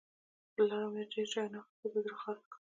پر لاره مې د ډېرو شیانو اخیستلو ته زړه خارښت کاوه.